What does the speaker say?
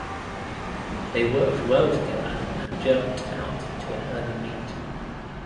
They worked well together and jumped out to an early lead.